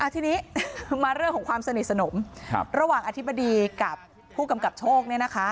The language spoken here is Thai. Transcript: ทีนี้มาเรื่องของความสนิทสนมระหว่างอธิบดีกับผู้กำกับโชค